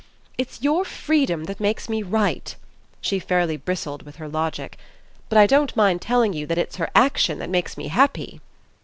It's your freedom that makes me right" she fairly bristled with her logic. "But I don't mind telling you that it's her action that makes me happy!"